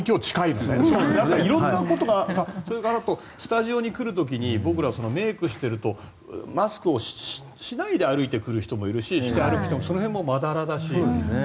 しかも色んなことがあと、スタジオに来る時にメイクをしてるとマスクをしないで歩いてくる人もいるしして歩く人もその辺もまだらだし。